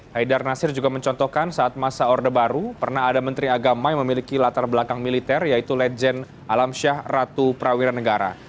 haidar nasir juga mencontohkan saat masa orde baru pernah ada menteri agama yang memiliki latar belakang militer yaitu legend alamsyah ratu prawira negara